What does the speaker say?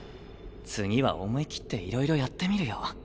次は思い切っていろいろやってみるよ。